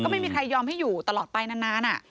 ไม่มีใครยอมให้อยู่ตลอดไปนาน